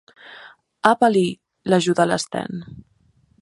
Apa-li —l'ajuda l'Sten.